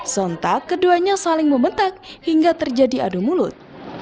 sontak keduanya saling membentak hingga terjadi adu mulut